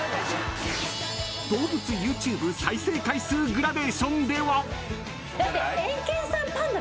動物ＹｏｕＴｕｂｅ再生回数グラデーションでは。